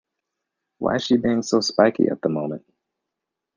Why's she being so spiky at the moment?